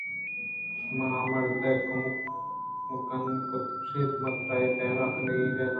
پمیشا آ مردے مکن کُت ءُ گوٛشت من ترا اے پیم کنگ نیلاں